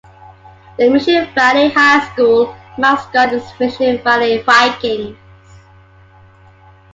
The Mission Valley High School mascot is Mission Valley Vikings.